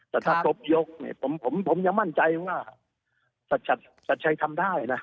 แต่ถ้าครบยกเนี่ยผมยังมั่นใจว่าชัดชัยทำได้นะ